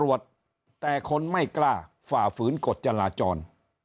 สวัสดีครับท่านผู้ชมครับ